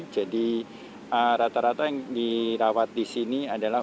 jadi rata rata yang dirawat di sini adalah